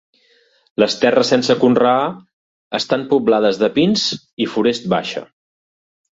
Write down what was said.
Les terres sense conrear estan poblades de pins i forest baixa.